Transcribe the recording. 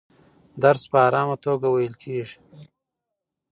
درس په ارامه توګه ویل کېږي.